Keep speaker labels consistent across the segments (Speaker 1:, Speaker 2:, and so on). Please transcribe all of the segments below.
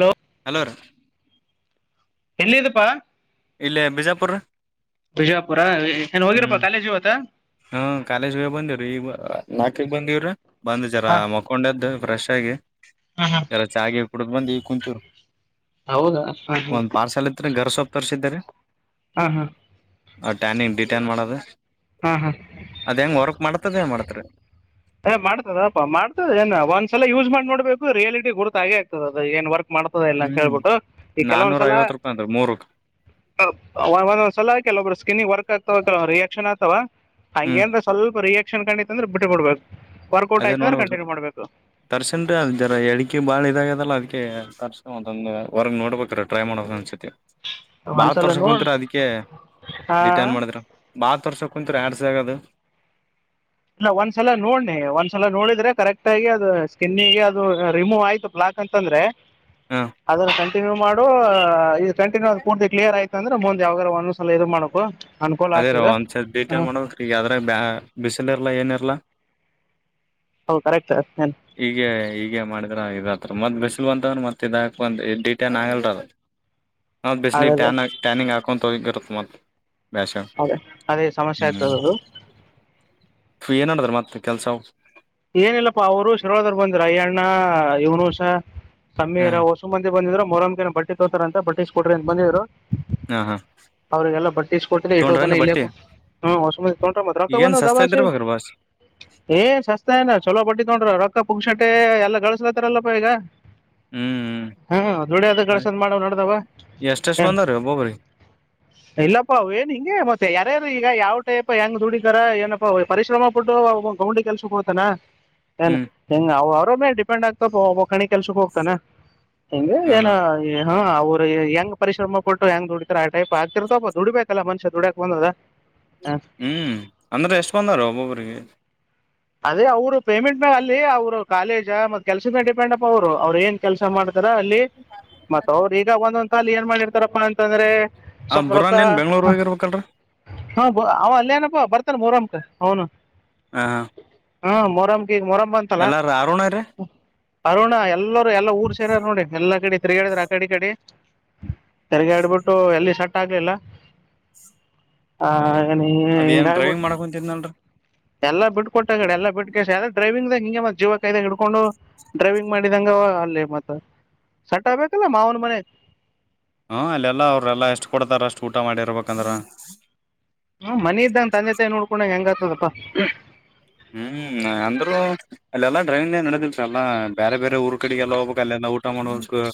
Speaker 1: Hello.
Speaker 2: Hello ರ.
Speaker 1: ಎಲ್ಲಿಿದಪ್ಪಾ.
Speaker 2: ಇಲ್ಲ ಬಿಜಾಪುರ್.
Speaker 1: ಬಿಜಾಪುರ ಏನ್
Speaker 2: ಹ್ಮ
Speaker 1: ಹೋಗಿರಪ್ಪಾ ಕಾಲೇಜ್ ಇವತ್ತ
Speaker 2: ಹಾ ಕಾಾಲಜ ಬಂದ. [unintelligible] ಬಂದಿವವ್ರ. ಬಂದ್ ಜರ
Speaker 1: ಹಾ
Speaker 2: ಮಕ್ಕೊಂಡದ್ದು. ಬ್ರಷ್ ಆಗಿ.
Speaker 1: ಹಾ ಹಾ
Speaker 2: ಎಲ್ಲ ಚಾಗ ಕುಡ ಬಂದ್ ಈ ಕುಂತೂರು
Speaker 1: ಹೌದಾ ಹಾ ಹಾ
Speaker 2: ಒಂದ್ ಪಾರ್ಸಲ್ ಇತ್ ಗರ್ ಸೊಪ್ಪ. ತೋರಿಸಿದ್ದಾರೆ.
Speaker 1: ಹಾ ಹಾ
Speaker 2: ಆ ಟ್ಯಾನಿಂಗ್ ಡಿಟ್ಯಾನ್ ಮಾಡದು.
Speaker 1: ಹಾ ಹಾ
Speaker 2: ಅದ್ ಹೆಂಗ ವರ್ಕ್ ಮಾಡ್ತದ ಮಾಡ್ತರಿ.
Speaker 1: ಏ ಮಾಡ್ತದಪ್ಪಾ ಮಾಡ್ತದಏ ಒಂದ್ಸಲ ಯೂಸ್ ಮಾಡ್ ನೋಡ್ಬೇಕು ರಿಯಾಲಿಟಿ ಗುರ್ತ ಹಾಗೆ ಆಗ್ತದ ಅದ ಏನ್ ವರ್ಕ್. ಮಾಡ್ತದ ಇಲ್ಲ ಅಂತ
Speaker 2: ಹ್ಮ್
Speaker 1: ಹೇಳ್ಬಿಟ್ಟು ಈ ಕೆಲವೊಂದ್
Speaker 2: ನಾನೂರ
Speaker 1: ಸಲ
Speaker 2: ಐವತ್ ರೂಪಾಯಿ ಅಂದ್ರ ಮೂರಕ್
Speaker 1: ಒಂದೊಂದ್ ಸಲ ಕೆಲವೊಬ್ರು ಸ್ಕಿನ್ಿಗೆ ವರ್ಕ್ ಆಗ್ ರಿಯಾಕ್ಷನ್ ಆತವಾ ಹಂಗೇ
Speaker 2: ಹ್ಮ್
Speaker 1: ಅಂದ್ರೆ ಸ್ವಲ್ಪ ರಿಯಕ್ ಶಕ್ಷ ಕಣಿತ ಅಂದ್ರ ಬಿು ಕೊಡ್ಬೇಕು
Speaker 2: ಅದೇ ನೋಡ್ಬೇಕ ದರ್ಶನ್ ರೀ ಅದ್ ಜರ ಎಳಿಕೆ ಬಾಳ ಇದಾಗ್ಯದಲ್ಲ ಅದ್ಕ್ಕೆ ತಂದ ವರಂಗ ನೋಡ್ ಟ್ರೈ ಮಾಡೋ ಬಾತ್
Speaker 1: ಒಂದ್ಸಲ
Speaker 2: ವರ್ಷಕ್
Speaker 1: ನೋಡ್
Speaker 2: ಕುಂತರ ಅದಕ್ಕೆ
Speaker 1: ಹಾ
Speaker 2: ಡಿಟನ್ ಮಾಡಿದ್ರ ಬಹತ್ ವರ್ಷ ಕೊಂಂದು ್ಯಡ್ಸ್ ಆಗದು
Speaker 1: ಇಲ್ಲ ಒಂದ್ಸಲ ನೋಡ್ನಿ ಒಂದ್ಸಲ ನೋಡಿದ್ರೆ ಕರೆಕ್ಟ್ ಆಗಿ ಅದು ಸ್ಕಿನ್ನಿಗೆ ಅದು ರಿಮೂವ್ ಆಯ್ತು ಪ್ಲಾಕ್ ಅಂತಂದ್ರೆ
Speaker 2: ಹಾ
Speaker 1: ಅದ್ರ ಸಂ ಕಂಟಿನ್ಯ ಮಾಡ ಇದು ಕಂಟಿನ್ಯೂ ಅ್ ಪೂರ್ತಿ ಕ್ಲಿಯರ್ ಆಯ್ತ ಅಂದ್ರೆ ಮುಂದ್ ಯಾವಾಗಾರ ಒಂದ್ಲ ಇದು ಮಾಡಕು ಅನುಕೂಲ
Speaker 2: ಅದೇ ರ
Speaker 1: ಆಗ್ತದೆ
Speaker 2: ಒಂದ್ ಡೀಟೇಲ್
Speaker 1: ಹಾಂ
Speaker 2: ಮಾಡಬೇಕ್ರ ಬ ಚಲ್ಲ ಇರ್ಲ ಏನ ಇರ್ಲ
Speaker 1: ಹೌ ಕರೆಕ್ಟ್ನ್
Speaker 2: ಹೀಗೆ ಮಾಡಿದ್ರ ಇದತ್ರ ಮತ್ ಬಿಸಿಲು ಅಂತವ್ ಮತ್ೆ ಇದಾಕ ಒ ಡಿಟನ್ ಆಗಲ್ರ ಹೌ
Speaker 1: ಅದೇ
Speaker 2: ಬಲಿಟಟನಿಂಗ ಆ ಕೊಂತ ಗರುತ್ತ ಮ
Speaker 1: ಅದೇ ಅದೇ ಸಮಸ್ಯೆ ಆಯ್ತದದು
Speaker 2: ತ ಕೆಲಸೊ
Speaker 1: ಏನಿಲ್ಲಪ್ಪಾ ಅವರು ಶರ್ಾದರು ಬಂದ್ರ ಅಯ್ಯಣ್ಣ ಇವನುಸ
Speaker 2: ಹ
Speaker 1: ಸಮೀರ ಹೊಸ ಮಂದಿ ಬಂದಿದ್ರರು ಮರಂಬಿಕೆ ಬಟ್ಟ ತೋತಾರಂತ ಬಟ್ಟ್ ಕೊಡ್ರಿ ಅಂತ ಬಂದಿದ್ರು
Speaker 2: ಹಾ ಹಾ
Speaker 1: ಅವ್ರಿಗೆಲ್ಲ ಬಟ್ಟಿಸ ಕೊಟ್ಟಿದ್ದ ಇಟ್ಟೋದಾನ
Speaker 2: ತೊಂಡ್ರೇನ್ ಬಟ್ಟಿ
Speaker 1: ಇಲ್ಲಕ್ಕು ಹ್ಮಸ ತ [unintelligible] ರಕ್ತ
Speaker 2: ಈಗೇನ್
Speaker 1: ಬಂದ
Speaker 2: ಸಸ್ತಾ
Speaker 1: ದಬೆ
Speaker 2: ಇದ್ದಿರ್ಬೇಕ್ರೀ ಬಾಸ್
Speaker 1: ಏ ಚೊಲೋ ಬಟಿ ತಗೊಂಡ್ರು ರೊಕ್ಕ ಪುಂಗ್ ಶಂಟ ಎಲ್ಲ ಗಳಿಸಸ್ಲತಾರಲ್ಲಪ್ಪ ಈಗ
Speaker 2: ಹ್ಮ್
Speaker 1: ಹಾ ದುಡಿಯದ
Speaker 2: ಹ್ಮ್
Speaker 1: ಕಳ್ಸನ್ ಮಾಡವ ನಡ್ದಾವ
Speaker 2: ಎಷ್ಟೆಷ್ಟ್ ಬಂದಾವ್ರೀ ಒಬ್ಬೊಬ್ರಿಗೆ
Speaker 1: ಇಲ್ಲಪ್ಪಾ ಅವ ಏನ್ ಹಿಂಗಗೆ ಮತ್ತೆ ಯಾರ್ಯಾರು ಈಗ ಯಾವ [inaudible] ಹೆಂಗ ದುಡಿದಾರ ಏನಪ್ಪಾ ಪರಿಶ್ರಮ ಪ ಬಿಟ್ಟು ಗೌಂಡಿ ಕೆಲ್ಸಕ್ಕೆ ಹೋಗ [unintelligible] ಏನ್
Speaker 2: ಹ್ಮ್
Speaker 1: ಹೆಂಗ ಅವ ಡಿಪೆಂಡ ಆಗ್ತ ಕಣಿ ಕೆಲ್ಸಕ್ಕೆ ಹೋಗ್ತಾನ ಹಗೆ
Speaker 2: ಹ
Speaker 1: ಏನ
Speaker 2: ಹಾ
Speaker 1: ಹಾ ಅವ್ರು ಹೆಂಗ ಪರಿಶ್ರಮ ಕೊಟ್ಟು ಹೆಂಗ್ ದುಡತಾರೆ ಆ ಟೈಪ್ ಆಗ್ತಿರ್ತೋಪ್ಪಬ ದುಡಿಬೇಕ ಅಲ್ಲ ಮನುಷ್ಯ ದುಡಕಕ್ ಬಂದದ ಹ.
Speaker 2: ಹ್ಮ್ ಅಂದ್ರೆ ಎಷ್ಟ ಬಂದರು ಒಬ್ಬೊಬರಿಗೆ
Speaker 1: ಅದೇ ಅವ್ರು ಪೇಮೆಂಟ್ ಮ್ಯಾಗ ಅಲ್ಲಿ ಅವರು ಕಾಲೇಜ ಮತ್ ಕೆಲ್ಸದ ಮೇ ಡಿಪೆಂಡ್ ಅಪ್ ಅವ್ರು ಅವ್ರು ಏನ್ ಕೆಲಸ ಮಾಡ್ತಾರೆ ರ ಅಲ್ಲಿ ಮತ್ತ ಅವ್ರ ಈಗ ಒಂದೊಂದ ಕಾಲ ಏನ್ ಮಾಡಿರ್ತಾರಪ್ಪ ಅಂತಂದ್ರೆ
Speaker 2: ಆ
Speaker 1: ಸ್ವಲ್ಪ ರೊಕ್ಕ
Speaker 2: ಬುರಾನ್ ಏನ್ ಬೆಂಗ್ಳೂರ್ ಹೋಗಿರ್ಬೇಕಲ್ರರಿ
Speaker 1: ಹ ಅವ ಅಲ್ಲನ. ಹ ಬರ್ತಾನೆ ಮೂರಮ್ಕ ಅವ್ನು.
Speaker 2: ಹ ಹಾ.
Speaker 1: ಹಾ ಮರಮ್.
Speaker 2: ಎಲ್ಲಾರ ಆರುಣ ರ.
Speaker 1: ಅರುಣ ಎಲ್ಲ. ಎಲ್ಲ ಊರ್ ಸೇರಾರ ನೋಡಿ ಎಲ್ಲ ಕಡೆ. ತಿರ್ಗಿ ಹಡಿದ್ರ ಆ ಕಡೆ ಕಡೆ ತಿರ್ಗಿ ಆಡ್ಬಿಟ್ಟು ಎಲ್ಲಿ ಸಟ್ ಆಗ್ಲಿಲ್ಲ ಹ ನೀ
Speaker 2: ಅದೇನ್
Speaker 1: ಎಂಗಬ
Speaker 2: ಡ್ರೈವಿಂಗ್ ಮಾಡಕ್ ಕುಂತಿದ್ನಲ್ರಿ
Speaker 1: ಎಲ್ಲ ಬಿಟ್ಕೊಟ್ಟಗಡೆ ಎಲ್ಲ ಬಿಟ್ಕ ಅ ಡೈವಿಂಗದಾಗ ಹಿಂಗೆ ಮತ್ತ ಜೀವ ಕಾಯ್ದಾಗ ಹ ಇಡ್ಕೊಂಡು ಡ್ರೈವಿಂಗ್ ಮಾಡಿದಂಗ ಅಲ್ಲಿ ಮತ್ತ ಸಟ್ ಆಗ್ಬೇಕಲ್ಲ ಮಾವನ ಮನೆ.
Speaker 2: ಹಾ ಅಲ್ಲೆಲ್ಲಾ ಅವ್ರೆಲ್ಲಾ ಎಷ್ಟು ಕೊಡ್ತಾರ ಅಷ್ಟು ಊಟ ಮಾಡಿರ್ಬೇಕಂದ್ರ.
Speaker 1: ಹ್ಮ ಮಿ ಇದ್ದಂಗ ತಂದ ತಾಯ ನೋಡ್ಕೊಂಡಂಗ ಹೆಂಗ. ಹಪ್ಪ.
Speaker 2: ಹ್ಮ್ ಅಂದ್ರರು ಅಲ್ಲೆಲ್ಲ. ಡ್ರೈವಿಂಗ್ ನಡದಲ್ಲ ಬೇರೆ ಬೇರೆ ಊರ್ ಕಡೆಗೆಲ್ಲ ಹೋಗ್ಬೇಕಕ್ ಅಲ್ಲಿಂದ ಊಟ ಮಾಡಬೇಕಕ್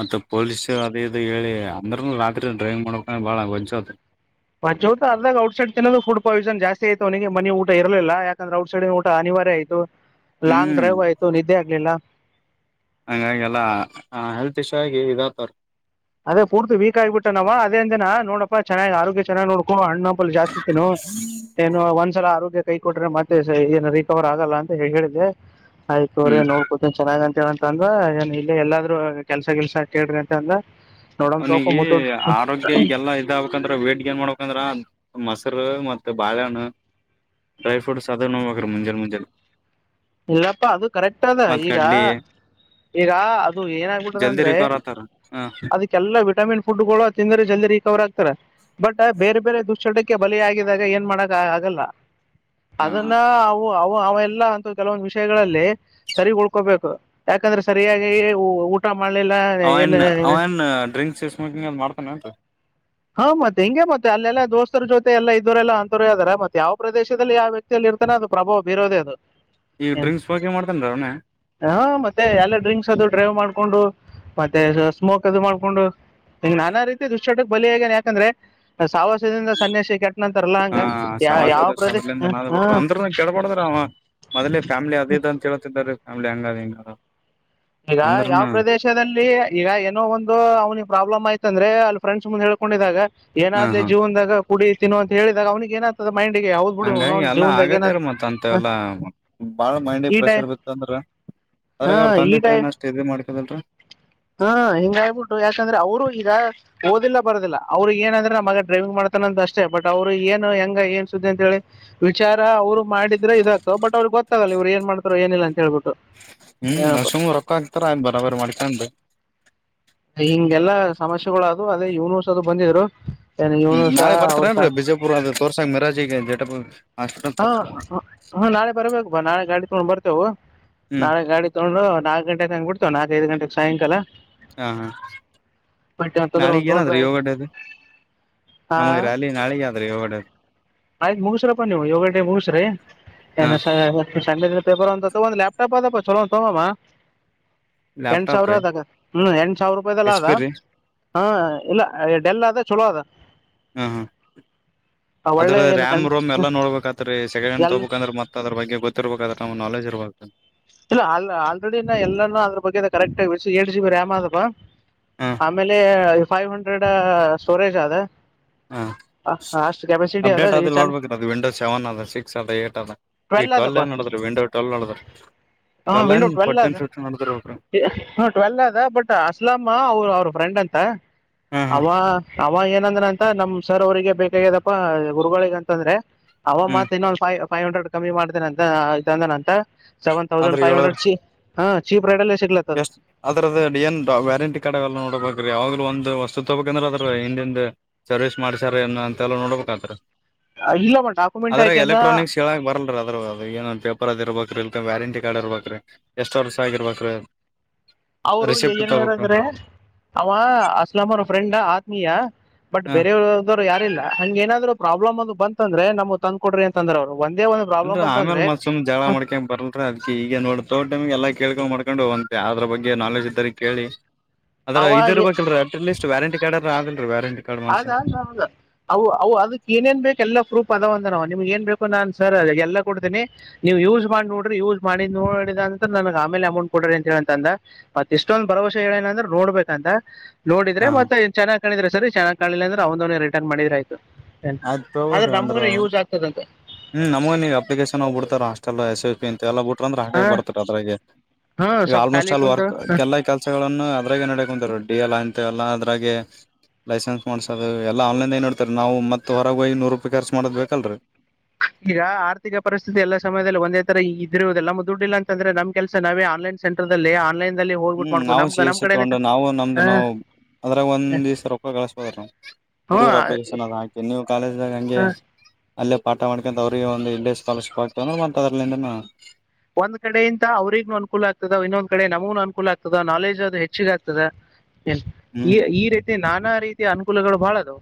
Speaker 2: ಮತ್ತ ಪೊಲೀಸ ಅದ ಇದು ಹೇಳಿ ಅಂದ್ರ ರಾತ್ರಿ ಡ್ರೈವಿಂಗ್ ಮಾಡ್ಕ ಬಾಳ ಗಂಚತ್
Speaker 1: ಮಜತ ಅದಾಗ ಟಟ್ ಸೈಡ್ ತಿುಡ್ಯಸನ್ ಜಾಸ್ತಿ ಆಯತು ಅವನಿಗೆ ಮ ಊ ಇರಲಿಲ್ಲ ಯಾಕಂದ್ರೆ ಔಟ್ ಸೈಡ್ ಊಟ ಅನಿವಾರ್ಯ ಆಯತು ಲಾಂಗ್
Speaker 2: ಹ್ಮ್
Speaker 1: ಡ್ರೈವ್ ಆಯ್ತು ನಿದ್ದೆ ಆಗ್ಲಿಲ್ಲ.
Speaker 2: ಹಂಗಾಗಿ ಎಲ್ಲ ಹೆಲ್ತ್ ಇಶ್ಯೂ ಆಗಿ ಇದ ಆತವಾರ.
Speaker 1: ಅದೇ ಪೂರ್ತಿ ವೀಕ್ ಆಗಿ ಬಿಟ್ಟ ನಾಮ ಅ ಅಜನ. ನೋಡಪ್ಪ ಚೆನ್ನಾಗಿ ಆರೋಗ್ಯ ಚೆನ್ನ ನೋಕು ಹಣ್ಣ. ಫುಲ್ ಜಾಸ್ತಿ ತಿನ್ನು ಏನು ಒಂದ್ ಒಂದ್ಸಲ ಆರೋಗ್ಯ ಕೈ ಕೊಟ್ರೆ ಮತ್ತೆ ಏನು ರಿಕವರ್ ಆಗಲ್ಲ ಅಂತ ಹೇಳಿದ್ದೆ. ಆಯ್ತು ರೀ
Speaker 2: ಹ್ಮ್
Speaker 1: ನೋಡ್ಕೋತಿನ್ ಚೆನ್ನಾಗೆ ವ ಅಂತ ಅಂದ್ರ ಏನ್ ಇಲ್ಲಿ ಎಲ್ಲಾದ್ರೂ ಕೆಲ್ಸ ಗಿಲ್ಸ ಕೇಳ್ರಿ ಅಂತ ಅಂದ ನೋಡಮ್ ತೋಕೊ
Speaker 2: ಅವನಿಗೆ
Speaker 1: ಮುತ್ತೋಡ್
Speaker 2: ಆರೋಗ್ಯ ಈಗೆಲ್ಲಾ ಇದಾಗಬೇಕಂದ್ರ ವೇಟ್ ಗೇನ್ ಮಾಡ್ಬೇಕಂದ್ರ. ಮೊಸರು ಮತ್ತೆ ಬಾಳೆಹಣ್ಣ ಡ್ರೈ ಫ್ರೂಟ್ಸ್ ಅದ ನೋಬೇಕ್ರೀ ಮುಂಜಾನೆ ಮುಂಜೆ.
Speaker 1: ಇಲ್ಲಪ್ಪಾ ಅದು ಕರೆಕ್ಟ್ ಅದ ಈಗ ಈಗ ಅದು ಏನಾಗ್ಬಿಟ್ಟದ
Speaker 2: ಜಲ್ದಿ
Speaker 1: ಅಂದ್ರೆ
Speaker 2: ರಿಕವರ್ ಆತಾರ ಹ
Speaker 1: ಅದಕ್ಕೆಲ್ಲಾ ಬಿಟ್ ವಿಟಮಿನ್ ಫುಡ್ಗಳು ತಿಂದರೆೆ ಜಲ್ದಿ ರಿಕವರ್ ಆಗ್ತಾರೆ ಬಟ್ ಬೇರೆ ಬೇರೆ ದುಶ್ಚಟಕ್ಕೆ ಬಲಿ ಆಗಿದಾಗ ಏನ್ ಮಾಡಾಕ ಆಗಲ್ಲ.
Speaker 2: ಹ
Speaker 1: ಅದನ್ನ ಅವು ಒಹ್ ಅವ ಇಲ್ಲ ಅಂತ ಕೆಲವೊಂದು ವಿಷಯಗಳಲ್ಲಿ ಸರಿಗ್ ಉಳ್ಕೋಬೇಕು ಯಾಕಂದ್ರೆ ಸರಿಯಾಗಿ ಊಟ
Speaker 2: ಅವ ಏನ್ ಅವ ಏನ್ ಡ್ರಿಂಕ್ಸ್ ಸ್ಮೋಕಿಂಗ್ ಏನ್ ಮಾಡ್ತಾನೇನ್ರಿ
Speaker 1: ಹಾ ಮತ್ತೆ ಹಿಂಗೆ ಮತ್ತೆ ಅಲ್ಲೆಲ್ಲ ದೋಸ್ತರ ಜೊತೆ ಎಲ್ಲ ಇದ್ದೋರೆಲ್ಲಾ ಅಂತೋರೆ ಅದಾರೆ ಮತ್ತ್ ಯಾವ ಪ್ರದೇಶದಲ್ಲಿ ಯಾವ ವ್ಯಕ್ತಿಯಲ್ಲಿ ಇರ್ತಾನ ಅದು ಪ್ರಭಾವ ಬೀರದೇ ಅದು.
Speaker 2: ಈ
Speaker 1: ಏನ್
Speaker 2: ಡ್ರಿಂಕ್ಸ್ ಸ್ಮೋಕಿಂಗ್ ಮಾಡ್ತೇನ್ರಿ ಅವನ
Speaker 1: ಹಾ ಮತ್ತೆ ಎಲ್ಲ ಡ್ರಿಂಕ್ಸ್ ಅದು ಡ್ರೈವ್ ಮಾಡ್ಕೊಂಡು ಮತ್ತೆ ಸ್ಮೋಕ್ ಅದು ಮಾಡ್ಕೊಂಡು ಹಂಗ್ ನಾನಾ ರೀತಿ ದುಷ್ಚಟ ಬಲಿ ಆಗ್ಯಾನ ಯಾಕಂದ್ರೆ ಸಹವಾಸದಿಂದ ಸನ್ಯಾಸಿ ಕೆಟ್
Speaker 2: ಹಾ ಸಹವಾಸ ದೋಷ ಅದ್ರಿಂದ ನಾ
Speaker 1: ಹಾ
Speaker 2: ಬಿಟ್ರಿ ಅಂದ್ರರುನು ಕೆೇಳ್ಬಾರದ್ರಿ ಅವ ಮೊದಲೇ ಫ್ಯಾಮಿಲಿ ಅದ ಇದ ಅಂತ ಹೇಳ್ತಿದ್ರ ಫ್ಯಾಮಿಲಿ ಹಂಗದ ಹಿಂಗದ
Speaker 1: ಈಗ ಯಾವ
Speaker 2: ಅಂದ್ರನು
Speaker 1: ಪ್ರದೇಶದಲ್ಲಿ ಈಗ ಏನೋ ಒಂದು ಅವ್ನಿಗೆ ಪ್ರಾಬ್ಲಮ್ ಆಯ್ತ ಅಂದ್ರೆ ಅಲ್ ಫ್ರೆಂಡ್ಸ್ ಮುಂದ್ ಹೇಳ್ಕೊಂಡಿದ್ದಾಗ
Speaker 2: ಹ
Speaker 1: ಏನಾದ್ಲ
Speaker 2: ಹಾ
Speaker 1: ಜೀವನದಾಗ ಕುಡಿ ತಿನು ಅಂತ ಹೇಳಿದಾಗ ಅವನಿಗೆ ಏನತದ
Speaker 2: ಹಂಗಾಗಿ ಎಲ್ಲ ಆಗತ್ತೇರ ಮತ್ ಅಂತ ಎಲ್ಲ ಬಾಳ ಮೈಂಡಗೆ
Speaker 1: ಈ ಟೈ
Speaker 2: ಪ್ರೆಷರ್ ಬಿತ್ತಂದ್ರ
Speaker 1: ಹಾ
Speaker 2: ಅದ್ರಾಗ ಅವರು
Speaker 1: ಈ
Speaker 2: ತಂದೆ ತಾಯಿನ ಅಷ್ಟ್ ಇದ ಮಾಡ್ಕದಲ್ರಿ
Speaker 1: ಹಾ ಹಿಂಗಾಗಬಿಟ್ಟು ಯಾಕಂದ್ರೆ ಅವರು ಈಗ ಓದಿಲ್ಲ ಬರದಿಲ್ಲ ಅವರು ಏನಂದ್ರೆ ನ ಮಗಾಗ ಡ್ರೈವಿಂಗ್ ಮಾಡ್ತಾನಂತ ಅಷ್ಟೇ ಬಟ್ ಅವ್ರು ಏನು ಹೆಂಗ ಏನ್ ಸುದ್ದಿ ಅಂತ ಹೇಳಿ ವಿಚಾರ ಅವ್ರು ಮಾಡಿದ್ರೆ ಇದಾಗ್ತದೆ ಬಟ್ ಅವ್ರಿಗೆ ಗೊತ್ತಾಗಲ್ಲ ಇವ್ರ್ ಏನು ಮಾಡ್ತಾರೆ ಏನಿಲ್ಲ ಅಂತ್ ಹೇಳ್ಬಿಟ್ಟು
Speaker 2: ಹ್ಮ
Speaker 1: ಏನಪ್ಪ
Speaker 2: ನರಸಿಂಹ ಅವ್ರ್ ಅಕ್ಕ ಎತ್ರ ಬರ ಬರ ಮಾಡಿಕಂದ
Speaker 1: ಹಿಂಗೆಲ್ಲಾ ಸಮಸ್ಯೆಗಳ ಅದ್ವು ಅದೇ ಇವ್ನಸ ಅದು ಬಂದಿದ್ರು ಏನು
Speaker 2: ಹ್ಮ್
Speaker 1: ಇವನು ಸಹ
Speaker 2: ನಾಳೆ
Speaker 1: ಅವ್ರು ಸಹ
Speaker 2: ಬರ್ತಾರೇನ್ರೀ ಬಿಜಾಪುರ್ ಅ ತೋರ್ಸಕ್ ಮಿರಾಜಿಗೆ ಜಟಪು ಹಾಸ್ಪಿಟಲ್
Speaker 1: ಹಾ
Speaker 2: ತೋರ್ಸ
Speaker 1: ಹು ಬರ್ತೇವು
Speaker 2: ಹ್ಮ್
Speaker 1: ನಾಳೆ ಗಾಡಿ ತಗೊಂಡು ನಾಕ್ ಗಂಟೆಗ್ ಹಂಗ್ ಬಿಡ್ತಿವ್ ನಾಕ್ ಐದು ಗಂಟೆಗ್ ಸಾಯಂಕಾಲ
Speaker 2: ಹಾ ಹಾ
Speaker 1: ಬಂದ್ರೆ ಒಂದ
Speaker 2: ನಾಳಿಗ್
Speaker 1: ತೊಂಡ್ರಿ
Speaker 2: ಏನಾದ್ರಿ
Speaker 1: ಆಯ್
Speaker 2: ಯೋಗ ಡೇ ಅದು
Speaker 1: ಹ
Speaker 2: ನಮಗ್ ರ್ಯಾಲಿ ನಾಳಿಗೆ ಆದ್ರಿ ಯೋಗ ಡೇ
Speaker 1: ಆಯ್ತು ಮುಗಸ್ರಪ್ಪ ನೀವು ಯೋಗಟೆ ಮುಗಸ್ರಿ
Speaker 2: ಹಾ
Speaker 1: ಸಂಡ ಪೇಪರ್ ಅಂತ ತಗೊಂದು ಲ್ಾಪ್ಟಾಪ್ ಅದಪ್ಪ ಚಲೋ ತಗಾಮಾ ಎಂಟು
Speaker 2: ಲ್ಯಾಪ್ಟಾಪ್
Speaker 1: ಸಾವಿರ
Speaker 2: ರೀ
Speaker 1: ಅದಾಗ ಹ್ಮ್ ಎ ಸಾವಿರ ರೂಪಾಯಿದೆಲ್ಲ
Speaker 2: ಎಚ್
Speaker 1: ಅದ
Speaker 2: ಪಿ ರೀ
Speaker 1: ಹಾ ಇಲ್ಲ ಡೆಲ್ ಅದ ಚಲೋ ಅದ
Speaker 2: ಹ್ಮ ಹಾ
Speaker 1: ಆ
Speaker 2: ಅದ್ರ
Speaker 1: ಒಳ್ಳೆ ಏನ್
Speaker 2: ರ್ಯಾಮ್
Speaker 1: ಕಣ್
Speaker 2: ರೂಮ್ ಎಲ್ಲಾ ನೋಡ್ಬೇಕತ್ ರೀ ಸೆಕೆಂಡ್ ಹ್ಯಾಂಡ್
Speaker 1: ಎಲ್
Speaker 2: ತಗೋಬೇಕಂದ್ರೆ ಮತ್ತ ಅದ್ರ ಬಗ್ಗೆ ಗೊತ್ತ ಇರ್ಬೇಕಾದ್ರ ನ್ ನೆಜ ಇಬ
Speaker 1: ಇಲ್ಲ ಆಲ್ರೆಡಿಿನ ಎಲ್ಲಾನ ಅದ್ರ ಬಗ್ಗೆ ಕರೆಕ್ಟ್ಏ ಜಿ ಬಿ ರಾಮ್ ಆದವ
Speaker 2: ಹಾ
Speaker 1: ಆಮೇಲೆ ಫೈವ್ ಹಂಡ್ರೆಡ್ ಸ್ಟೋರೇಜ್ ಅದ
Speaker 2: ಹಾ
Speaker 1: ಅ- ಅಷ್ಟು ಕೆಪಾಸಿಟಿ ಅದ
Speaker 2: ಅಪ್ಡೇಟ್
Speaker 1: ಈ
Speaker 2: ಆದ
Speaker 1: ಚೆನ್ನ
Speaker 2: ನೋಡ್ಬೇಕು ಅದು ವಿಂಡೋ ಸೆವೆನ್ ಅದ ಸಿಕ್ಸ್ ಅದ ಏಟ್ ಅದ ಈ ಟ್ವೆಲ್ ಏನ್ ನೋಡಿದ್ರರು ವಿಂಡೋ ಟ್ವೆಲ್ ನಡದ್ರ
Speaker 1: ಹಾ ವಿಂಡೋ ಟ್ವೆಲ್ವ ಅದ ಟ್ವೆಲ್ ಆದದ ಬಟ್ ಅಸ್ಲಾಮ ಅವರು ಅವರು ಫ್ರೆಂಡ್ ಅಂತ
Speaker 2: ಹಾ ಹಾ
Speaker 1: ಅವವಾ ಅವ ಏನಂದ್ರ ಅಂತ ನಮ್ ಸರ್ ಅವ್ರಿಗೆ ಬೇಕಾಗಿದಪ್ಪ ಗುರುಗಳಿಿಗೆ ಅಂತಂದ್ರೆ ಹ
Speaker 2: ಹ್ಮ್
Speaker 1: ಮತೆನ ಫೈವ್ ಹಂಡ್ರೆಡ್ ಕಮ್ಮಿ ಮಾಡ್ತೇನೆ ಅಂತ ಇದಂದ ಅಂತ
Speaker 2: ಆದ್ರ
Speaker 1: ತೌಸಂಡ್ಫೈವ
Speaker 2: ಏಳರ್
Speaker 1: ಹಂಡ್ರೆಡ್ ಹಾ ಚಿ ರ್ರೈಲ್
Speaker 2: ಎಷ್ಟ್ ಅದ್ರದ್ದ ಏನ್ ವ್ಯಾರಂಟಿ ಕಾರ್ಡ್ಲ್ಲ ನೋಡಬೇಕ್ರ ಒಂದ ವಸ್ತು ತೊಬೇಕ್ ಅಂದ್ರೆ ಅದ್ರ ಹಿಂದಿಂದ ಸರ್ವಿಸ್ ಮಾಡ್ಸಾರ ಏ ಅಂತೆ ಎಲ್ಲ ನೋಡ್ಬೇಕ್ ಹಳ್ಳ ರೀ
Speaker 1: ಇಲ್ಲ ಮತ್ ಡಾಕ್ಯುಮೆಂಟ್
Speaker 2: ಆದದ್ರ
Speaker 1: ಹಾಕ್ಯಂದ
Speaker 2: ಎಲೆಕ್ಟ್ರಾನಿಕ್ಸ್ ಹೇಳಕ್ ಬರಲ್ರ ಅದ್ರ ಏನೊಂದು ಪೇಪರ್ ಅದದು ಇರಬೋ ಇ ವ್ಯಾರಂಟಿ ಕಾರ್ಡ್ ಇರ್ಬೇಕ್ರೀ ಎಷ್ಟ್ ವರ್ಷ ಆಗಿರ್ಬೇಕ್ರೀ
Speaker 1: ಅವರು ಏನಾರ ಅಂದ್ರೆ ಅವ ಅಸ್ಲಂ ಅವರ ಫ್ರೆಂಡ್ ಆತ್ಮೀಯ ಬಟ್
Speaker 2: ಹ
Speaker 1: ಬೇರೆಯವದವ್ರು ಯಾರಿಲ್ಲ ಹಂಗ ಏನಾದ್ರು ಪ್ರಾಬ್ಲಮ್ ಅದು ಬಂದ ಅಂದ್ರ ನಮ್ ತಂದ ಕೊರಿ ಅಂದ್ರ ಅವರು
Speaker 2: ಅಲ್ರರಿ ಆಮೇ ಮತ್ ಸುಮ್ ಜಳ ಮಾಡ್ಕ ಬರ್ಲ್ರರಿ ಅದಿ ಈಗ ನೋ ತೋ ಟಮ ಎಲ್ಲ ಕೇಳಗಳು ಮಾಡ ಕಕೊಂಡು ಹೋಗಂತೆ ಅದ್ರ ಬಗ್ಗೆ ನಾಲೆಜ್ ಇದ್ದಾರೆ ಕೇಳಿ ಅದ್ರ
Speaker 1: ಅವ
Speaker 2: ಇದ ಇರ್ಬೇಕಲ್ ಅಟ್ಲೀಸ್ಟ್ ವ್ಯಾರಂಟಿ ಕಾರ್ಡ್ ಅಲ್ಲ ರೀರೆ
Speaker 1: ಅದ ಅದೌದ ಅ ಅ ಅದಕ್ ಏನೇನ್ ಬೇಕ ಎಲ್ಲ ಪ್ರೂಪ್ ಅದ ಅಂದ ನಿಮ್ಗ್ ಏನ್ ಬೇಕು ನಾನ್ ಸರ್ ಎಲ್ಲ ಕೊಡ್ತೇನನೆ ನೀವು ಯೂಸ್ ಮಾಡಿ ನೋಡ್ರಿ ಯೂಸ್ ಮಾಡಿ ನೋಡಿದ ಅಂತ ನನ್ಗ್ ಆಮೇಲೆ ಅಮೌಂಟ್ ಕೊಡ್ರಿ ಅಂತ ಹೇಳಂತ ಅಂದ ಮತ್ ಇಷ್ಟೊಂದ್ ಭರವಸೆ ಹೇಳೇನ ಅಂದ್ರ ನೋಡ್ಬೇಕಂತ
Speaker 2: ಹಾ
Speaker 1: ನೋಡ್ರೆತ್ತೆ ನ್ ಚೆನ್ನ್ ಕ್ರೆ ಸರಿ ಚೆನ್ನಾಗಿ ಿಲ್ಲ ಅ್ರ ಅವ್ ರಿಟನ್ ಮಾಡಿದ್ರ ಆಯತು
Speaker 2: ಆಯ್ತ್
Speaker 1: ಆದ್ರೆ
Speaker 2: ತಗೋಬೇಕ್ರಿ ಅಂದ್ರ
Speaker 1: ನಮ್ಗನ ಯೂಸ್ ಆಗ್ತದಂತ
Speaker 2: ಹ್ಮ್ ನಮಗಗೆ ನೀ ಅಪ್ಲಿಕೇಶನ್ ಹೋಗ್ ಬಿಡ್ತಾರ ಹಾಸ್ಟೆಲ್ ಎಸ್ ಎಸ್ ಪಿ ಅ ಎಲ್ಲ ಬಿ ಅಂದ್ರೆ
Speaker 1: ಹ
Speaker 2: ಹಾಕಕ್ ಬರ್ತ ಅದ್ರಗೆ
Speaker 1: ಹಾ
Speaker 2: ಈಗ
Speaker 1: ಸ್ವಲ್ಪ
Speaker 2: ಆಲ್ಮೋಸ್ಟ್
Speaker 1: ಖಾಲಿ
Speaker 2: ಅಲ್ಲಿ
Speaker 1: ಕುಂತ
Speaker 2: ವರ್ಕ್ ಎಲ್ಲಾ ಕೆಲಸಗಳಗಳನ್ನು ಅದ್ರಾಗ ನಡೆ ಕುಂತರು ಡಿ ಎಲ್ ಎಾ ಅದ್ರಾಗೆ ಲೈಸೆನ್ಸ್ ಮಾಡ್ಸೋಧೂ ಆನ್ಲೈನ್ದ ನೋಡ್ತಾರ ನಾವು ಮತ್ ಹೊರಗೆ ಹಯೋಗಿ ನೂರು ರೂಪಾಯಿ ಖರ್ಚು ಮಾಡದ ಬೇಕಲ್ರರಿ
Speaker 1: ಈಗ ಆರ್ಥಿಕ ಪರಿಸ್ಥಿತಿ ಎಲ್ಲ ಸಮಯದಲ್ಲಿ ಒಂದೇ ತರ ಇದ್ದಿರುವುದೆಲ್ಲ ದುಡ್ಡಿಲ್ಲ ಅಂತಂದ್ರೆ ನಮ್ ಕೆಲಸ ನಾವೇ ಆನ್ಲೈನ್ ಸೆಂಟರ್ಲ್ಲಿ ಆನ್ಲೈನ್ ದಲ್ಲಿ ಹೋಗ್ಬಿಟ್ಟು
Speaker 2: ಹ್ಮ್
Speaker 1: ಮಾಡ್ಬೋದು
Speaker 2: ನಾವು
Speaker 1: ನಮ್
Speaker 2: ಸಿ ಎಸ್
Speaker 1: ನಮ್
Speaker 2: ಸಿ
Speaker 1: ಕಡೆನೆ
Speaker 2: ತಗೊಂಡ ನಾವು ನಮ್ದು
Speaker 1: ಹ
Speaker 2: ನಾವು ಅದ್ರಾಗ ಒಂದ್ ದಿವಸ ರೊಕ್ಕ ಕಳಸ್ಬೋದ ಹುಡುಗರು ಅಪ್ಲಿಕೇಶನ್ ಅದ ಹಾಕಿ ನೀವು ಕಾಲೇಜಾಗ ಹಂಗೆ
Speaker 1: ಹ್ಮ
Speaker 2: ಅಲ್ಲೇ ಪಾಠ ಮಾಡ್ಕೊಂತ ಅವ್ರಿಗೆ ಒಂದು ಎ ಸ್ಕಾಲರ್ಶಿಪ್ ಆಗ್ತವ ಮಾಡ್ತದರ್ಲ್ಲಿಂದನ
Speaker 1: ಒಂದ್ ಕಡೆ ಇಂತ ಅವ್ರಿಗ್ನು ಅನುಕೂಲ ಆಗ್ತದ ಇನ್ನೊಂದ್ ಕಡೆ ನಮಗನು ಅನುಕೂಲ ಆಗ್ತದೆ ನಾಲೆಜ್ ಅದು ಹೆಚ್ಚಿ ಆಗ್ತದೆ ಈ
Speaker 2: ಹ್ಮ್
Speaker 1: ಈ ರೀತಿ ನಾ ನನ್ನಾ ರೀತಿಯ ಅನುಕೂಲಗಳು ಬಾಳ ಅದು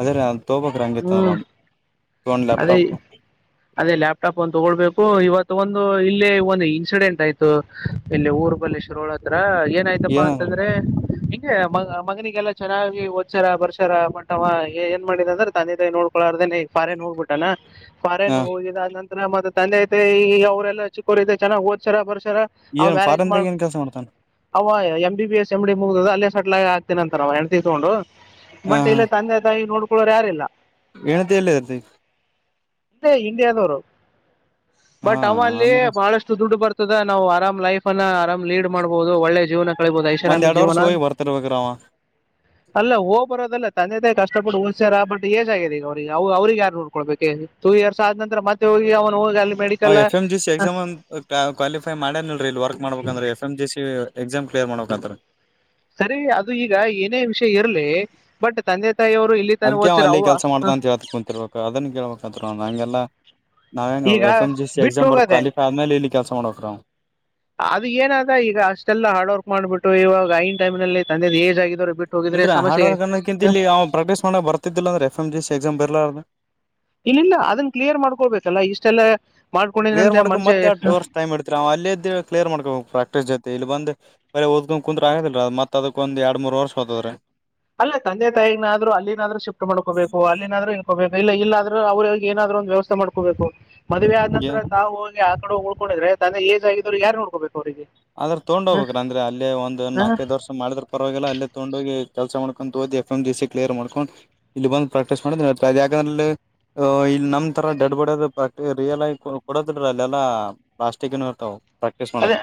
Speaker 2: ಅದೇ ರೀ ಥೋಬಕ್ ರಂಗಿತ್ತ [unintelligible]
Speaker 1: ಅದೇ
Speaker 2: ಲ್ಯಾಪ್ಟಾಪ್
Speaker 1: ಹಓ ಇವತ್ತು ಒಂದು ಇಲ್ಲಿ ಒಂದು ಇನ್ಸಿಡೆಂಟ್ ಆಯ್ತು ಇಲ್ಲಿ ಊರ್ ಬಲ್ಲಿ ಶುರು ಹತ್ರ ಏನ ಆಯ್ತಪ್ಪಾ ಅಂತಂದ್ರೆ ಹಂಗ ಮ ಮಗನಿಗೆಲ್ಲಾ ಚೆನ್ನಾಗಿ ಒದಸಾರ ಬರ್ಷಾರ ಮಟವ ಏನ್ ಮಾಡಿದ ಅಂದ್ರ ತಂದೆ ತಾಯಿ ನೋಡ್ಕೊಳಾರ್ದೇನೆ ಈ ಫಾರಿನ್ ನೋಡ್ಬಿಟ್ಟಾನ ಫಾರೇನ್
Speaker 2: ಹ
Speaker 1: ಹೋಗಿದಂತ [inaudible] ತಂದೆ ಐ ಈ ಈ ಅವ್ರರೆಲ್ಲ ಚಿಕ್ಕವರಿಂದ ಚನ್ನಾಗ ಓದ್ಸರ ಬರ್
Speaker 2: ಏನ್
Speaker 1: ಮ್ಯಾರೇಜ್ ಮಾಡ
Speaker 2: ಫಾರಿನ್ದಾಗ ಏನ್ ಕೆಲ್ಸ ಮಾಡ್ತಾನ
Speaker 1: ಅವ M B S M D ಮುಗ ಅಲ್ಲೇ ಸೆಲ್ ಆಗ ಆಗ್ತೇನ ಅಂತ ನಾ ಹೆಣಂತ ತತ್ಕೊಂಡು ಬಟ್ ಇಲ್ಲ ತಂದೆ ತಾಯಿ ನೋಡ್ ಇಳರ ಯಾರಲ್ಲ
Speaker 2: ಏನಂತ ಎಲ್ಲಿ ಅರ್ತಿ
Speaker 1: ಇಂಡಿಯಾದವರು
Speaker 2: ಹಾ
Speaker 1: ಬಟ್ ಅವಲ್ಲಿ
Speaker 2: ಅಂದ್ರ
Speaker 1: ಬಹಳಷ್ಟು ದುಡ್ಡು ಬರ್ತ ನಾವು ಆರಾಮ್ ಲೈಫ ಅನ್ನ ಆರಾಮ್ ಲೀಡ್ ಮಾಡ್ಬಹುದು ಒಳ್ಳೆ ಜೀವನ ಕಬಹದ
Speaker 2: ಒಂದ್
Speaker 1: ಐಶಾರಾಮಿ
Speaker 2: ಎರಡ್ ವರ್ಷ
Speaker 1: ಜೀವನ
Speaker 2: ಹೋಗಿ ಬರ್ತಿರ್ಬೇಕ್ರ ಅವ
Speaker 1: ಅಲ್ಲ ಹ ಬರೋದಲ್ಲ ತಂದೆ ಕಷ್ಟ ಇಷ್ಟಪಟ್ಟ ಹೊಡ್ಸಯರ ರ ಬಟ್ಏಜ್ ಆಗಿದೆ ಈಗ ಅವ್ರಿಗೆ ಅವ್ರ ಯಾರ್ ನೋಡ್ಕೊಳ್ಬೇಕೇ ಟು ಇಯರ್ಸ್ ಆದ ನಂತ ಮತ್ತೆ ಹೋಗಿ
Speaker 2: ಹ
Speaker 1: medical
Speaker 2: F M G C exam ಅ ಕ್ವಾಲಿಫೈ ಮಾಡ್ಯನ್ನಲ್ರರಿ ಇಲ್ಲಿ ವರ್ಕ್ ಮಾಡ್ಬೇಕಂದ್ರೆ F M G C exam clear ಮಾಡಬೇಕಂತ
Speaker 1: ಸರಿ ಅದು ಈಗ ಏನೇ ವಿಷಯ ಇರ್ಲಿ ಬಟ್ ತಂದೆ ತಾಯಿಯವರು ಇಲ್ಲಿ ತಾನೇ
Speaker 2: ಅದ್ಕ್ ವ್
Speaker 1: ಓದಿಸ್ಯಾರ
Speaker 2: ಅಲ್ಲಿ
Speaker 1: ಅವ
Speaker 2: ಕೆಲ್ಸ ಮಾಡ್ದ
Speaker 1: ಹ,
Speaker 2: ಅಂತ ಹೇಳ ಕುಂತಿರ್ಬೇಕು ಅದನ್ನ ಕೇಳ್ಬೇಕತ್ರ ನಂಗೆಲ್ಲ ನಾವ ಹೆಂಗ
Speaker 1: ಈಗ
Speaker 2: ಎಫ್ ಎಂ ಜ ಸಿ
Speaker 1: ಬಿಟ್ಟು
Speaker 2: ಎಕ್ಸಾಮ್ ಬರ
Speaker 1: ಹೋಗೋದೆ
Speaker 2: ಕ್ವಾಲಿಫೈ ಆದ್ಮೇಲೆ ಇಲ್ಲಿ ಕೆಲಸ ಮಾಡೋಕ ರ್
Speaker 1: ಅದು ಏನಾದ ಈಗ ಅಷ್ಟೆಲ್ಲ ಹಾರ್ಡ್ ವರ್ಕ್ ಮಾಡ್ಬಿಟ್ಟು ಇವಾಗ ಐನ್ ಟೈಮ್ ನಲ್ಲಿ ತಂದೆದ ಏಜ್ ಆಗಿದರು
Speaker 2: ಇಲ್ರ ಹಾರ್ಡ್ ವರ್ಕ್ ಅನ್ನೋಕ್ಕಿಂತ ಇಲ್ಲಿ ಪ್ರಾಕ್ಟೀಸ್ ಮಾಡಕ್ ಬರ್ತಿದ್ದಿಲ್ಲಂದ್ರೆ ಎಫ ಎಮ್ ಸಿ ಎಕ್ಸಾಮ್ ಬರೀಲಾರದೇ
Speaker 1: ಇಲ್ಲಲ್ಲ ಅದನ್ ಕ್ಲಿಯರ್ ಮಾಡ್ಕೊಳ್ಬೇಕಲ್ಲ ಇಷ್ಟೆಲ್ಲ
Speaker 2: ಕ್ಲಿಯರ್
Speaker 1: ಮಾಡ್ಕೊಂಡಿದ್ರಂತೆ ಮನುಷ್ಯ
Speaker 2: ಮಾಡಕಕ್ತ್ತೆರ್ಡ್ ಅವರ್ ಟೈಮ ಇತರಿ ಅವ್ ಅಲ್ಲದ್ದ ಕ್ಲಿಯರ್ ಮಾಡಕಬೇಕಕ್ ಪ್ರಾಕ್ಟೀಸ್ ಜೊತೆ ಇಲ್ಲಿ ಬಂದು ಬರೀ ದ್ಕೊಂಡ ಕುಂತ್ರು ಆಗದಲ್ರ ಅ ಮತ್ತ ಅದಕ್ಕ ಒಂದ ಎರಡು ಮೂ ವರ್ಷ ಹದ್ರೀ
Speaker 1: ಅಲ್ಲ ತಂದೆ ತಾಯಿನಾದ್ರು ಅಲ್ಲಿನಾದ್ರೂ ಶಿಫ್ಟ್ ಮಾಡ್ಕೋಬೇಕು ಅಲ್ಲಿನಾದ್ರೂ ಇನ್ಕೋಬೇಕು ಇಲ್ಲ ಇಲ್ಲ ಆದ್ರೂ ಅವ್ರ ಏನಾದ್ರೂ ಒಂದು ವ್ಯವಸ್ಥೆ ಮಾಡ್ಕೋಬೇಕು ಮದ್ವೆ ಆದ
Speaker 2: ಏ
Speaker 1: ನಂತರ ತಾವು ಆ ಕಡೆ ಹ ಉಳ್ಕೊಂಡಿದ್ರೆಂದ ಏಜ್ಗಿದ್ರು ಯಾರ್ ನೋಡ್ಕೋಬೇಕು ಅವರಿಗೆ
Speaker 2: ಆದದ್ರ ತೊಗೊಂಡ ಹೋಗ್ಬೇಕ್ರ ಅಂದ್ರೆ ಅಲ್ಲೇ ಒಂದ್ ನಾಲ್ಕೈದ ವರ್ಷ ಮಾಡಿದ್ರ ಪರವಾಗಿಲ್ಲ ಅಲ್ಲಿ ತೊಗೊಂಡ ಹೋಗಿ ಕೆಲಸ ಮಾಡ್ಕೊಂಡು ಹೋದಿ ಎಫ್ ಎ್ ಸಿ ಕ್ಲಿಯರ್ ಮಾಡ್ಕೊಂಡು ಇಲ್ಲಿ ಬಂದು ಪ್ರಾಕ್ಟೀಸ್ ಮಾಡಾಂದ್ರೆ ಇಲ್ಲಿ ನಮ್ಮ ತರ ಡೆಡ್ ಬಾಡಿ ಪ್ರಕ್ ರಿಯಲ್ ಆ ಕೊಡದ ಅಲ್ಲಾ ಪ್ಲಾಟಿಕ್ ಏ ಇರ್ತವು ಪ್ರಾಕ್ಟೀಸ್ ಮಾಡಕ್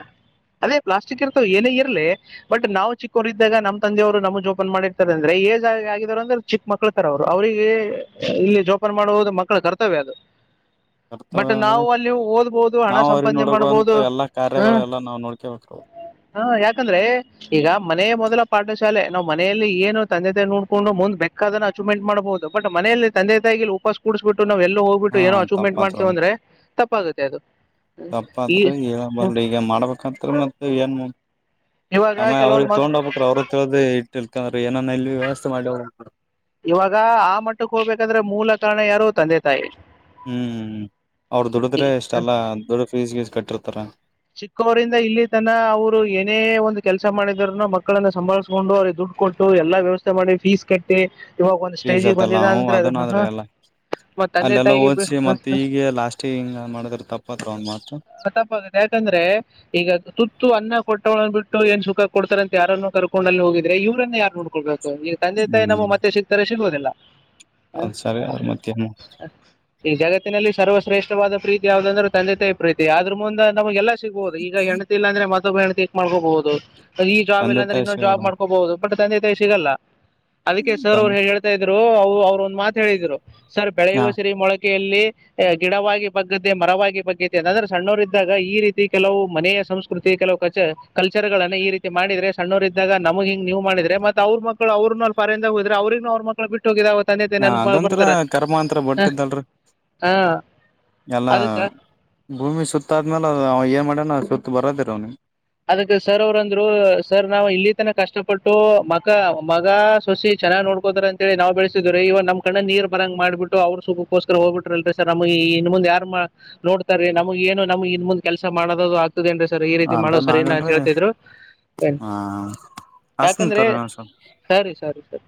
Speaker 1: ಅದೇ ಪ್ಲಾಸ್ಟಿಕ್ ಇರ್ತವ ಏನೇ ಇರ್ಲಿ ಬಟ್ ನಾವು ಚಿಕ್ಕವರು ಇದಾಗ ನಮ್ ತಂದೆಯವರು ನಮ ಜೋಪನ್ ಮಾಡಿರ್ತಾರೆ ಅಂದ್ರೆ ಏಜ್ ಆ ಆಗಿದವರು ಅಂದ್ರೆ ಚಿಕ್ಕ ಮಕ್ಳತರ ಅವ್ರು ಅವ್ರಿಗೆ ಇಲ್ಲಿ ಜೋಪನ್ ಮಾಡುವುದು ಮಕ್ಕಳ ಕರ್ತವ್ಯ ಅದು ಬಟ್
Speaker 2: ಇರ್ತವೆ ಅಂದ್ರೆ
Speaker 1: ನಾವು ಅಲ್ಲಿ ಓದ್ಬೋದು ಹಣ ಸಂಪಾದನೆ ಮಾಡ್ಬೋದು
Speaker 2: ಗಳೆಲ್ಲ ನಾವು ನೋಡ್ಕೇಬೇಕದು
Speaker 1: ಹಾ ಯಾಕಂದ್ರೆ ಈಗ ಮನೆ ಮೊದಲ ಪಾಠಶಾಲೆ ನಾವು ಮನೆಯಲ್ಲಿ ಏನು ತಂದೆ ತಾಯ ನೋಡ್ಕೊಂಡು ಮುಂದ್ ಬೆೇಕಾದನ್ನು ಅಚೀವ್ಮೆಂಟ್ ಮಾಡ್ಬಹುದು ಬಟ್ ಮನೆಯಲ್ಲಿ ತಂದೆ ತಾಯಿಲ್ಲಿ ಉಪಸ್ ಕೂಡಿಸ್ಬಿು ನಾವವು ಎಲ್ಲ ಹೋಗ್ಬಿು
Speaker 2: ಹಾ
Speaker 1: ಏನೋ ಅಚೀವ್ಮಂಟ್ ಮಾಡ್ತೇವಂದ್ರೆ ತಪ್ಪಾಗುತ್ತೆ ಅದು ಈ
Speaker 2: ಕಪ್ಪತ್ರ ಬ
Speaker 1: ಹ್ಮ್.
Speaker 2: ಈಗ ಮಾಡ್ಬೇಕತ್ ಮತ್ತೆ ಏನ್
Speaker 1: ಇವಾಗ
Speaker 2: ಆ
Speaker 1: ಕೆಲವೊಂದ್
Speaker 2: ಅವ್ರಿಗೆ
Speaker 1: ಮಕ್
Speaker 2: ತಗೊಂಡ್ ಹಬಕ್ರ ಅವ್ರ ಕೇಳ್ದ ತಿಳ್ಕಂದ್ರ ಏನ ಇಲ್ಲಿ ವ್ಯವಸ್ಥೆ ಮಾಡ
Speaker 1: ಇವಾಗ ಆ ಮಟ್ಟಕ್ಕೆ ಹೋಗ್ಬೇಕಂದ್ರೆ ಮೂಲ ಕಾರಣ ಯಾರು ತಂದೆ ತಾಯಿ
Speaker 2: ಹ್ಮ್ ಅವ್ರ ದುಡದ್ರೆ ಎಷ್ಟ ಅಲ್ಲಾ ದುಡ್ಡು ಫೀಸ್ ಗೀಸ್ ಕಟ್ಟಿರ್ತ ಮಾತ್ರರ
Speaker 1: ಚಿಕ್ಕವರಿಂದ ಇಲ್ಲಿ ತನ ಅವರು ಏನೇ ಒಂದು ಕೆಲ್ಸ ಮಾಡಿದಾರನ ಮಕ್ಕಳನ್ನ ಸಂಭಾಳ್ಸ್ಕೊಂಡು ಅವ್ರಿಗೆ ದುಡ್ಡು ಕೊಟ್ಟು ಎಲ್ಲಾ ವ್ಯವಸ್ಥೆ ಮಾಡಿ ಫೀಸ್ ಕಟ್ಟಿ ಇವಾಗ ಒಂದ್
Speaker 2: ಪಿಜ
Speaker 1: ಸ್ಟೇಜಿಗೆ
Speaker 2: ಅದೆಲ್ಲ
Speaker 1: ಬಂದಿದ
Speaker 2: ಹ
Speaker 1: ಅಂದ್ರೆ ಅದು
Speaker 2: ಅದನ್ದ್ರ ಎಲ್ಲ
Speaker 1: ಮತ್ ತಂದೆ
Speaker 2: ಅಲ್ಲೆಲ್ಲ
Speaker 1: ತಾಯಿಗೆ
Speaker 2: ಓಚ್ಿ ಮತ್ತ ಈಗ ಲಾಸ್ಟಿಗೆ ಹಿಂಗ ಮಾಡಿದ್ರ ತಪ್ಪತ್ರ ಒಂದ್ ಮಾತು
Speaker 1: ತಪ್ಪಾಗುತ್ತೆ ಯಾಕಂದ್ರೆ ಈಗ ತುತ್ತು ಅನ್ನ ಕೊಟ್ಟವಳ್ ಬಿಟ್ಟು ಏನ್ ಸುಖ ಕೊಡ್ತಾರಂತ ಯಾರನ್ನು ಕರ್ಕೊಂಡಲ್ಲಿ ಹೋಗಿದ್ರೆ ಇವ್ರನ್ನ ಯಾರು ನೋಡ್ಕೊಳ್ಬೇಕು ಈಗ ತಂದೆ ತಾಯಿ ನಮ್ಮ
Speaker 2: ಹ್ಮ್
Speaker 1: ಮತ್ತೆ ಸಿಗ್ತಾರೆ ಸಿಗುವುದಿಲ್ಲ
Speaker 2: ಅದ್ ಸರಿ ಅದ್ರ ಮತ್ತೆ
Speaker 1: ಈಗ ಜಗತ್ತಿನಲ್ಲಿ ಸರ್ವ ಶ್ರೇಷ್ಠವ ಪ್ರೀತಿ ಯಾವ್ದಂದ್ರ ತಂದೆ ತಾಯಿ ಪ್ರೀತಿ ಅದ್ರ ಮುಂದ ನಮಗೆಲ್ಲ ಸಿಗ್ಬಹುದು ಈಗ ಹೆಣತಿಲ್ಲ ಅಂದ್ರೆೆ ಣತಿಕ್ ಮಾಡ್ಕೋಬಹುದು ಈ ಜಾಬ್
Speaker 2: ತಂದೆ
Speaker 1: ಇಲ್ಲಂದ್ರೆ
Speaker 2: ತಾಯಿ
Speaker 1: ಇನ್ನೊಂದು
Speaker 2: ಸಿಗಲ್
Speaker 1: ಜಾಬ್
Speaker 2: ಹ
Speaker 1: ಮಾಡ್ಕೋಬಹುದು ಟ್ಟ ತಂದ ಸಿಗಲ್ಲ ಅದಕ್ಕೆ ಸರ್ ಅವ್ರು ಹೇಳ ಹೇಳ್ತಾ ಇದ್ರು ಅವರು ಅವ್ರ ಒಂದು ಮಾತತ್ ಹೇಳಿದ್ರು ಸರ್
Speaker 2: ಹ
Speaker 1: ಬೆಳಿುವ ಸರಿ ಮೊಳಗ್ ಗಿಡವಾಗಿ ಬಗ್ುತ್ತೆ ಮರವಾಗಿ ಬಗ್ತೆೆ ಅಂತಂದ್ರೆ ಸಣ್ಣರು ಇದ್ದಾಗ ಈ ರೀತಿ ಕೆಲವು ಮನೆಯ ಸಂಸ್ಕೃತಿ ಕೆಲವು ಕ ಕಲ್ಚರ್ ನ್ನ ಈ ರೀತಿ ಮಾಡಿದ್ರೆ ಸಣ್ಣವರ ಇದ್ದಾಗ ನಮಗೆ ಹಿಂಗ್ ನೀವು ಮಾಡಿದ್ರೆ ಮತ್ತ ಅವ್ರ ಮಕ್ಕಳ ಅವ್ರನು ಅ ಫಾರಿಂದಾಗ ಹೋದ್ರೆ ಅವ್ರಿೂ ಅವ್ರ ಮಳ ಬಿಟ್ಟ ಹೋಗಿದ
Speaker 2: ಹ ಅದಂಂತತ್ರ ಕರ್ಮಾಂಂತರ ಬಟ್ಟಿದ್ದಲ್ರಿ
Speaker 1: ಹ.
Speaker 2: ಎಲ್ಲಾ
Speaker 1: ಅದಕ್ಕ
Speaker 2: ಭೂಮಿ ಸುತ್ತ ಸತ್ತಾದ್ಮೇಲೆ ಏನು ಮಾಡೇಣ ಸುತ್ತು ಬರೋದಿರ ಅವ್ ನಿ
Speaker 1: ಅದಕ್ಕೆ ಸರ್ ಅವ್ರಂದ್ ಸರ್ ನಾವ್ ಇಲ್ಲಿ ತನ ಕಷ್ಟಪಟ್ಟು ಮಗ ಮಗ ಸೊಸಿೆ ಚನ್ನಾಗ್ ನೋಡ್ಕೋದಾರ ಅಂತೇಳಿ ನಾವ್ ಬೆಳೆಸಿದ್್ರೀ ಇವ ನಮ್ ಕಣ್ಣ ನೀರ್ ಬರಂಗ ಮಾಡ್ಬಿಟ್ಟು ಅವ್ರ ಸುಖಕ್ಕೋಸ್ಕರ ಹೋಗ್ಬಿಟ್ರಲ್ರಿ ಸರ್ ನಮ ಇನ್ ಮುಂದ್ ಯಾರ್ ನೋಡ್ತಾರ ನಮ್ಗ ಏನು ನಮ್ ಇನ್ ಮುಂದ್ ಕೆಲ್ಸ ಮಾಡೋದದು ೇನ್ರಿ ಸರ್ ಈ ರೀತಿ ಮಸ್ಸ
Speaker 2: ಅದನ್
Speaker 1: ಸರಿ ನಾ
Speaker 2: ಆಗಲ್ರಿ
Speaker 1: ಕೇಳ್ತಿದ್ರು
Speaker 2: ಹ ಹಸ್ತನ
Speaker 1: ಯಾಕಂದ್ರೆ
Speaker 2: ತೋರಿ ಇನ್ನೊಂದ್ ಸ್ವಲ್ಪ ಹ್ಮ
Speaker 1: ಸರಿ ಸರಿ ಸರಿ